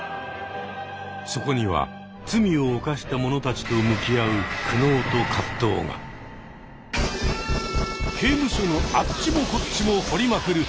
そこには罪を犯した者たちと向き合う刑務所のあっちもこっちも掘りまくる！